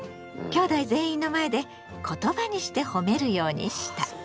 きょうだい全員の前で言葉にしてほめるようにした。